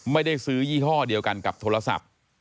ไม่ได้ซื้อยี่ห้อเดียวกันกับโทรศัพท์